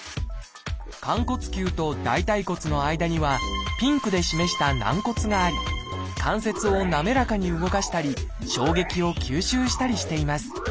寛骨臼と大腿骨の間にはピンクで示した軟骨があり関節を滑らかに動かしたり衝撃を吸収したりしています。